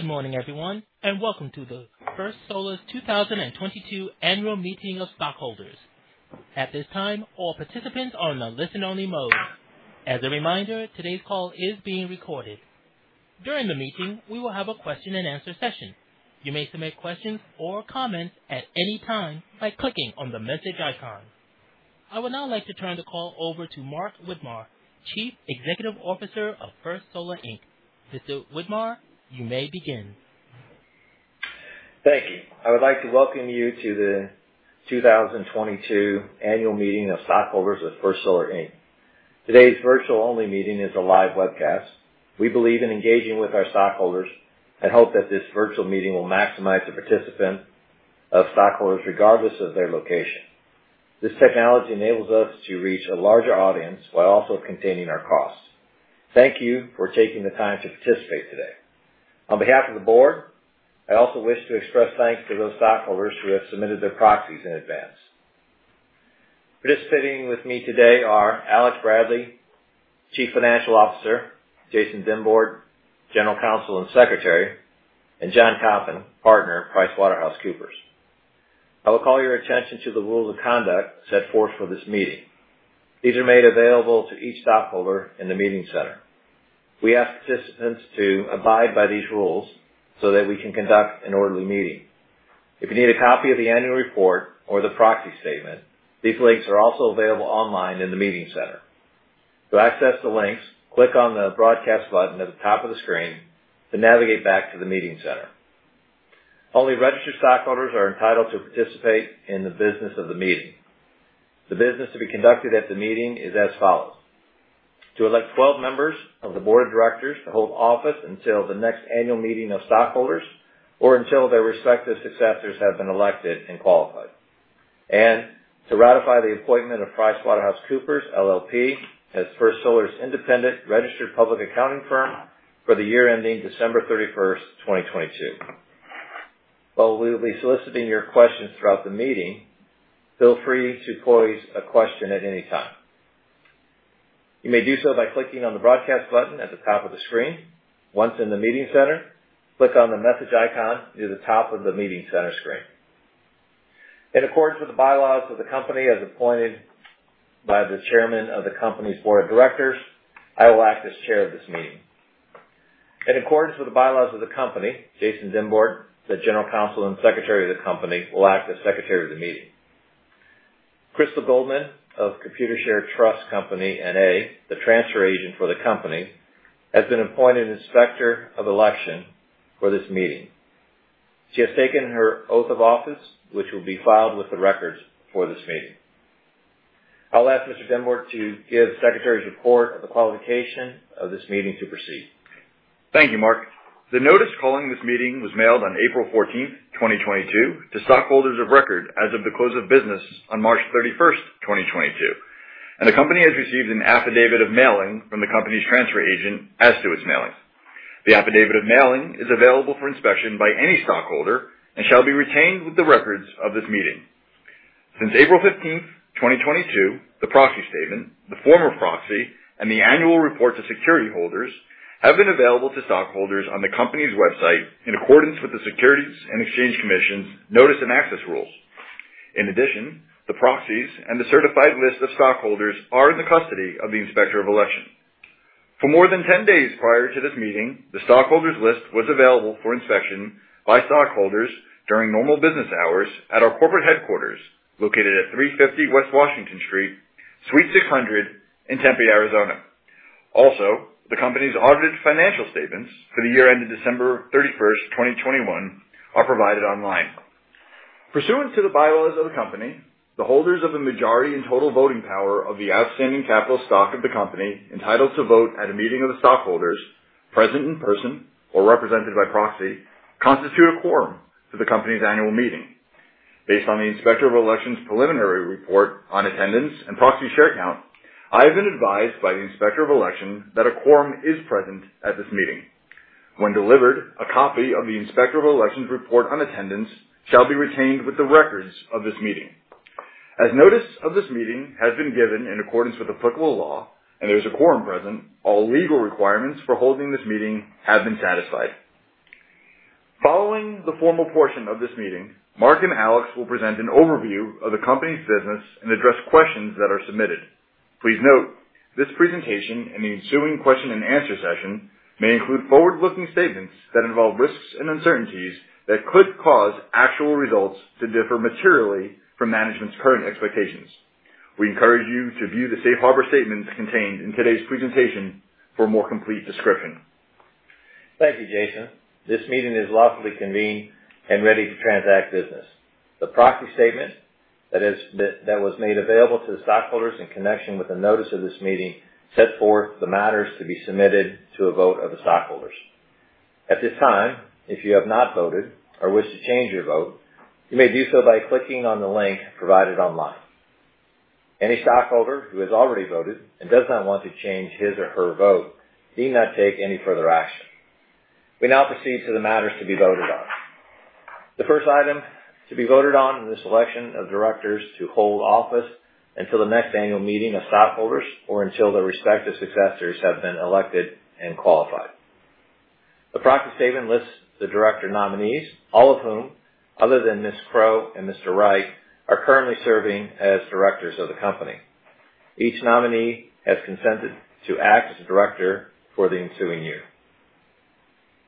Good morning, everyone, and welcome to the First Solar 2022 annual meeting of stockholders. At this time, all participants are on a listen-only mode. As a reminder, today's call is being recorded. During the meeting, we will have a question and answer session. You may submit questions or comments at any time by clicking on the message icon. I would now like to turn the call over to Mark Widmar, Chief Executive Officer of First Solar, Inc. Mr. Widmar, you may begin. Thank you. I would like to welcome you to the 2022 annual meeting of stockholders of First Solar, Inc. Today's virtual-only meeting is a live webcast. We believe in engaging with our stockholders and hope that this virtual meeting will maximize the participation of stockholders regardless of their location. This technology enables us to reach a larger audience while also containing our costs. Thank you for taking the time to participate today. On behalf of the board, I also wish to express thanks to those stockholders who have submitted their proxies in advance. Participating with me today are Alex Bradley, Chief Financial Officer, Jason Dymbort, General Counsel and Secretary, and John Coppin, Partner, PricewaterhouseCoopers. I will call your attention to the rules of conduct set forth for this meeting. These are made available to each stockholder in the meeting center. We ask participants to abide by these rules so that we can conduct an orderly meeting. If you need a copy of the annual report or the proxy statement, these links are also available online in the meeting center. To access the links, click on the broadcast button at the top of the screen, then navigate back to the meeting center. Only registered stockholders are entitled to participate in the business of the meeting. The business to be conducted at the meeting is as follows. To elect 12 members of the board of directors to hold office until the next annual meeting of stockholders, or until their respective successors have been elected and qualified. To ratify the appointment of PricewaterhouseCoopers LLP as First Solar's independent registered public accounting firm for the year ending December 31, 2022. While we will be soliciting your questions throughout the meeting, feel free to pose a question at any time. You may do so by clicking on the broadcast button at the top of the screen. Once in the meeting center, click on the message icon near the top of the meeting center screen. In accordance with the bylaws of the company, as appointed by the chairman of the company's board of directors, I will act as chair of this meeting. In accordance with the bylaws of the company, Jason Dymbort, the General Counsel and Secretary of the company, will act as Secretary of the meeting. Crystal Goldman of Computershare Trust Company, N.A., the transfer agent for the company, has been appointed Inspector of Election for this meeting. She has taken her oath of office, which will be filed with the records for this meeting. I'll ask Mr. Dymbort to give secretary's report of the qualification of this meeting to proceed. Thank you, Mark. The notice calling this meeting was mailed on April 14, 2022 to stockholders of record as of the close of business on March 31, 2022. The company has received an affidavit of mailing from the company's transfer agent as to its mailing. The affidavit of mailing is available for inspection by any stockholder and shall be retained with the records of this meeting. Since April 15, 2022, the proxy statement, the form of proxy, and the annual report to security holders have been available to stockholders on the company's website in accordance with the Securities and Exchange Commission's Notice and Access Rules. In addition, the proxies and the certified list of stockholders are in the custody of the Inspector of Election. For more than 10 days prior to this meeting, the stockholders' list was available for inspection by stockholders during normal business hours at our corporate headquarters, located at 350 West Washington Street, Suite 600 in Tempe, Arizona. Also, the company's audited financial statements for the year ended December 31, 2021 are provided online. Pursuant to the bylaws of the company, the holders of the majority and total voting power of the outstanding capital stock of the company, entitled to vote at a meeting of the stockholders, present in person or represented by proxy, constitute a quorum for the company's annual meeting. Based on the Inspector of Election's preliminary report on attendance and proxy share count, I have been advised by the Inspector of Election that a quorum is present at this meeting. When delivered, a copy of the Inspector of Election's report on attendance shall be retained with the records of this meeting. As notice of this meeting has been given in accordance with applicable law and there's a quorum present, all legal requirements for holding this meeting have been satisfied. Following the formal portion of this meeting, Mark and Alex will present an overview of the company's business and address questions that are submitted. Please note, this presentation and the ensuing question and answer session may include forward-looking statements that involve risks and uncertainties that could cause actual results to differ materially from management's current expectations. We encourage you to view the safe harbor statements contained in today's presentation for a more complete description. Thank you, Jason. This meeting is lawfully convened and ready to transact business. The proxy statement that was made available to the stockholders in connection with the notice of this meeting set forth the matters to be submitted to a vote of the stockholders. At this time, if you have not voted or wish to change your vote, you may do so by clicking on the link provided online. Any stockholder who has already voted and does not want to change his or her vote need not take any further action. We now proceed to the matters to be voted on. The first item to be voted on is the selection of directors to hold office until the next annual meeting of stockholders or until their respective successors have been elected and qualified. The proxy statement lists the director nominees, all of whom, other than Ms. Crow and Mr. Wright are currently serving as directors of the company. Each nominee has consented to act as a director for the ensuing year.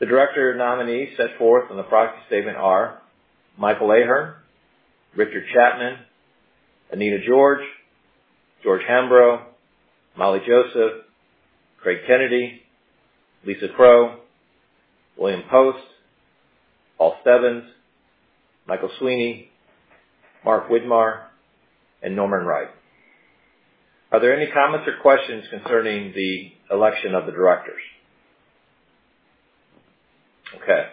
The director nominees set forth in the proxy statement are Michael Ahearn, Richard Chapman, Anita George, George Hambro, Molly Joseph, Craig Kennedy, Lisa Crow, William Post, Paul Stebbins, Michael Sweeney, Mark Widmar, and Norman Wright. Are there any comments or questions concerning the election of the directors? Okay.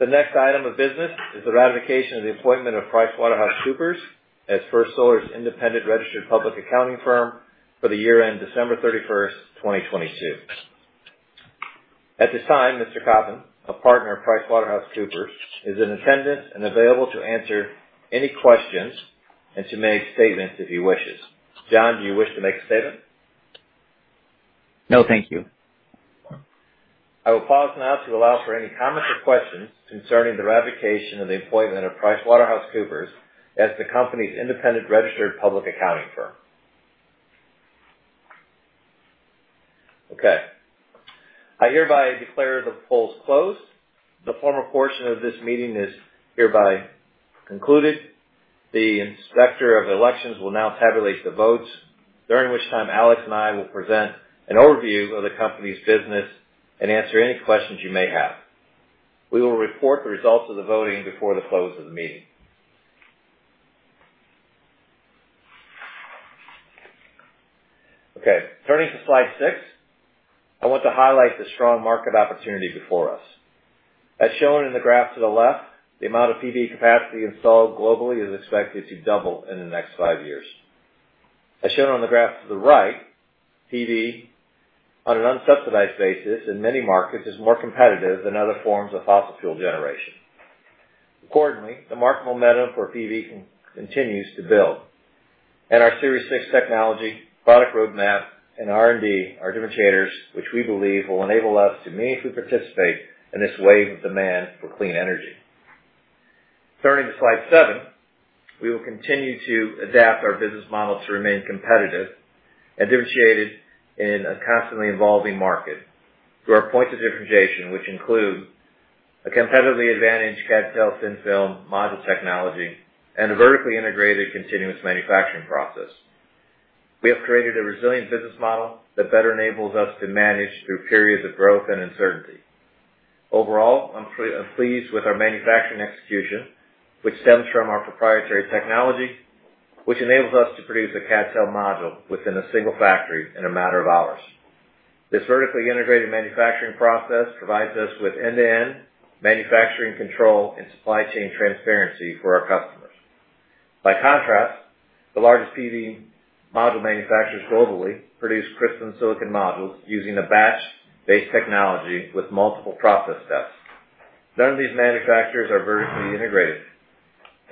The next item of business is the ratification of the appointment of PricewaterhouseCoopers as First Solar's independent registered public accounting firm for the year-end December 31, 2022. At this time, Mr. Coppin, a partner of PricewaterhouseCoopers, is in attendance and available to answer any questions and to make statements if he wishes. John, do you wish to make a statement? No, thank you. I will pause now to allow for any comments or questions concerning the ratification of the appointment of PricewaterhouseCoopers as the company's independent registered public accounting firm. Okay. I hereby declare the polls closed. The formal portion of this meeting is hereby concluded. The Inspector of Elections will now tabulate the votes, during which time Alex and I will present an overview of the company's business and answer any questions you may have. We will report the results of the voting before the close of the meeting. Okay. Turning to slide six, I want to highlight the strong market opportunity before us. As shown in the graph to the left, the amount of PV capacity installed globally is expected to double in the next five years. As shown on the graph to the right, PV on an unsubsidized basis in many markets is more competitive than other forms of fossil fuel generation. Accordingly, the market momentum for PV continues to build. Our Series 6 technology, product roadmap, and R&D are differentiators, which we believe will enable us to meaningfully participate in this wave of demand for clean energy. Turning to slide seven, we will continue to adapt our business model to remain competitive and differentiated in a constantly evolving market through our points of differentiation, which include a competitively advantaged CdTe thin-film module technology and a vertically integrated continuous manufacturing process. We have created a resilient business model that better enables us to manage through periods of growth and uncertainty. Overall, I'm pretty pleased with our manufacturing execution, which stems from our proprietary technology, which enables us to produce a CdTe module within a single factory in a matter of hours. This vertically integrated manufacturing process provides us with end-to-end manufacturing control and supply chain transparency for our customers. By contrast, the largest PV module manufacturers globally produce crystalline silicon modules using a batch-based technology with multiple process steps. None of these manufacturers are vertically integrated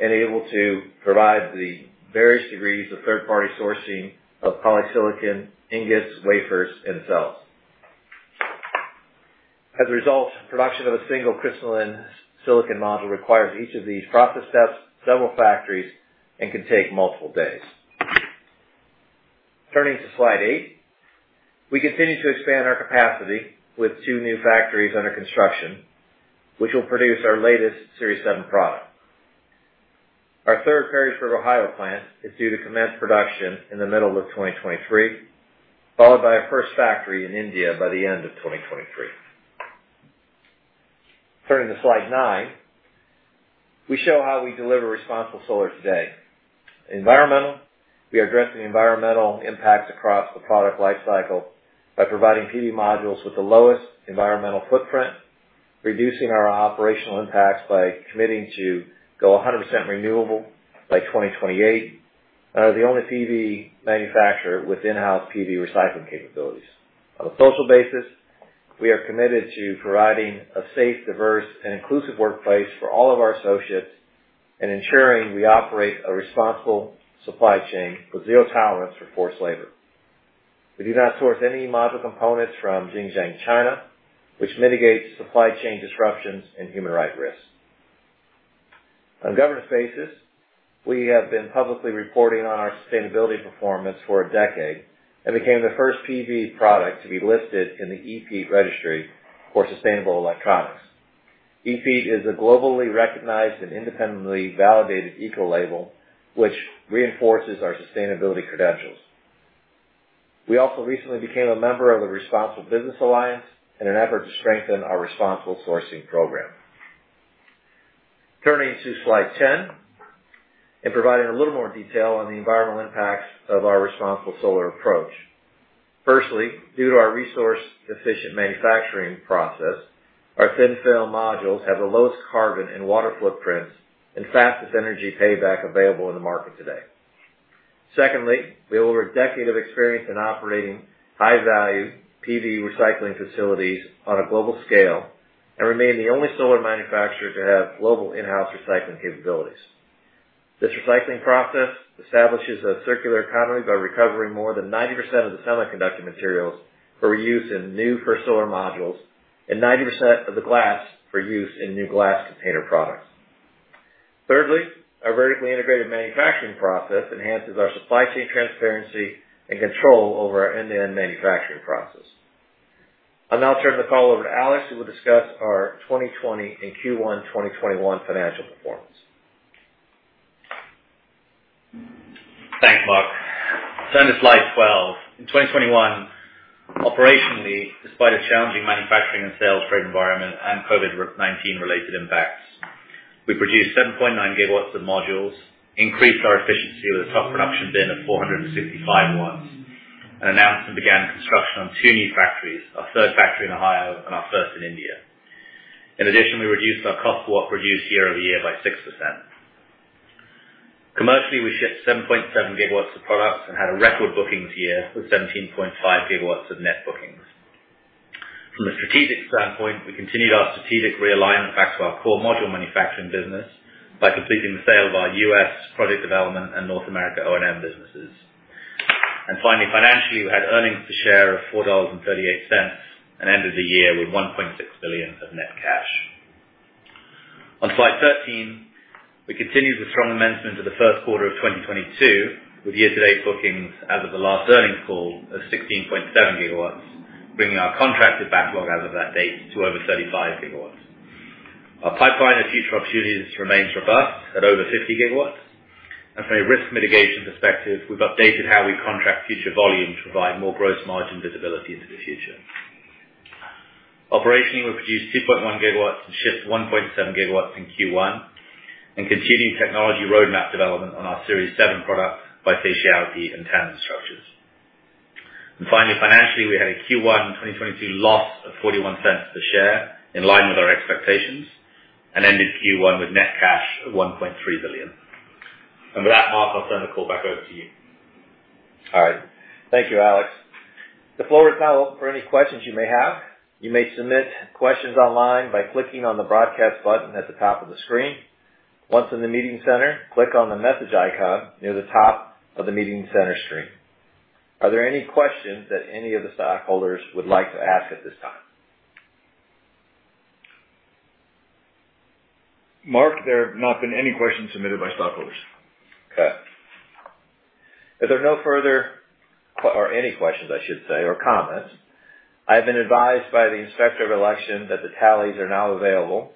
and able to provide the various degrees of third-party sourcing of polysilicon, ingots, wafers, and cells. As a result, production of a single crystalline silicon module requires each of these process steps, several factories, and can take multiple days. Turning to slide eight, we continue to expand our capacity with two new factories under construction, which will produce our latest Series 7 product. Our third Perrysburg, Ohio plant is due to commence production in the middle of 2023, followed by our first factory in India by the end of 2023. Turning to slide nine, we show how we deliver responsible solar today. Environmental. We are addressing the environmental impacts across the product life cycle by providing PV modules with the lowest environmental footprint, reducing our operational impacts by committing to go 100% renewable by 2028, and are the only PV manufacturer with in-house PV recycling capabilities. On a social basis, we are committed to providing a safe, diverse, and inclusive workplace for all of our associates and ensuring we operate a responsible supply chain with zero tolerance for forced labor. We do not source any module components from Xinjiang, China, which mitigates supply chain disruptions and human rights risks. On governance basis, we have been publicly reporting on our sustainability performance for a decade and became the first PV product to be listed in the EPEAT registry for sustainable electronics. EPEAT is a globally recognized and independently validated eco-label which reinforces our sustainability credentials. We also recently became a member of the Responsible Business Alliance in an effort to strengthen our responsible sourcing program. Turning to slide 10, and providing a little more detail on the environmental impacts of our responsible solar approach. Firstly, due to our resource-efficient manufacturing process, our thin-film modules have the lowest carbon and water footprints and fastest energy payback available in the market today. Secondly, we have over a decade of experience in operating high-value PV recycling facilities on a global scale and remain the only solar manufacturer to have global in-house recycling capabilities. This recycling process establishes a circular economy by recovering more than 90% of the semiconductor materials for reuse in new First Solar modules and 90% of the glass for use in new glass container products. Thirdly, our vertically integrated manufacturing process enhances our supply chain transparency and control over our end-to-end manufacturing process. I'll now turn the call over to Alex, who will discuss our 2020 and Q1 2021 financial performance. Thanks, Mark. Turn to slide twelve. In 2021, operationally, despite a challenging manufacturing and sales trade environment and COVID-19-related impacts, we produced 7.9 GW of modules, increased our efficiency with a top production bin of 465 W, and announced and began construction on two new factories, our third factory in Ohio and our first in India. In addition, we reduced our cost per watt produced year-over-year by 6%. Commercially, we shipped 7.7 GW of products and had a record bookings year with 17.5 GW of net bookings. From a strategic standpoint, we continued our strategic realignment back to our core module manufacturing business by completing the sale of our U.S. product development and North America O&M businesses. Finally, financially, we had earnings per share of $4.38 and ended the year with $1.6 billion of net cash. On slide 13, we continued the strong momentum into the first quarter of 2022, with year-to-date bookings as of the last earnings call of 16.7 GW, bringing our contracted backlog as of that date to over 35 GW. Our pipeline of future opportunities remains robust at over 50 GW. From a risk mitigation perspective, we've updated how we contract future volume to provide more gross margin visibility into the future. Operationally, we produced 2.1 GW and shipped 1.7 GW in Q1 and continued technology roadmap development on our Series 7 product bifacial and tandem structures. Finally, financially, we had a Q1 2022 loss of $0.41 per share in line with our expectations and ended Q1 with net cash of $1.3 billion. With that, Mark, I'll turn the call back over to you. All right. Thank you, Alex. The floor is now open for any questions you may have. You may submit questions online by clicking on the Broadcast button at the top of the screen. Once in the meeting center, click on the message icon near the top of the meeting center screen. Are there any questions that any of the stockholders would like to ask at this time? Mark, there have not been any questions submitted by stockholders. Okay. If there are no further or any questions, I should say, or comments, I have been advised by the Inspector of Election that the tallies are now available,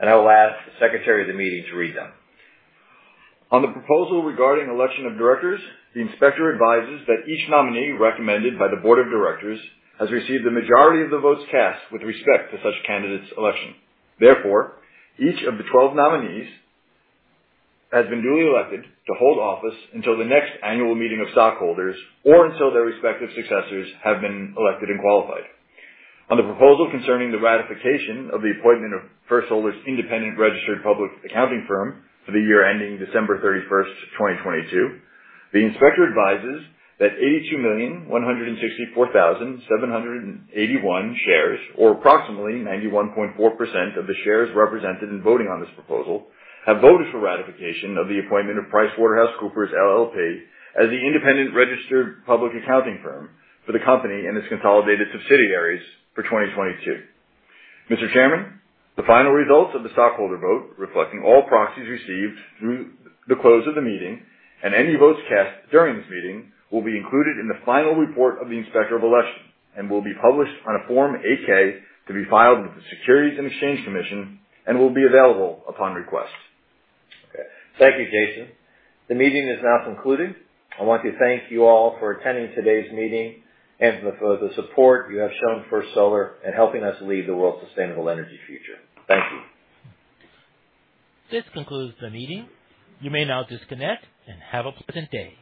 and I will ask the secretary of the meeting to read them. On the proposal regarding election of directors, the inspector advises that each nominee recommended by the board of directors has received the majority of the votes cast with respect to such candidate's election. Therefore, each of the 12 nominees has been duly elected to hold office until the next annual meeting of stockholders or until their respective successors have been elected and qualified. On the proposal concerning the ratification of the appointment of First Solar's independent registered public accounting firm for the year ending December 31, 2022, the inspector advises that 82,164,781 shares or approximately 91.4% of the shares represented in voting on this proposal have voted for ratification of the appointment of PricewaterhouseCoopers LLP as the independent registered public accounting firm for the company and its consolidated subsidiaries for 2022. Mr. Chairman, the final results of the stockholder vote, reflecting all proxies received through the close of the meeting and any votes cast during this meeting, will be included in the final report of the Inspector of Election and will be published on a Form 8-K to be filed with the Securities and Exchange Commission and will be available upon request. Okay. Thank you, Jason. The meeting is now concluded. I want to thank you all for attending today's meeting and for the support you have shown First Solar in helping us lead the world's sustainable energy future. Thank you. This concludes the meeting. You may now disconnect and have a pleasant day.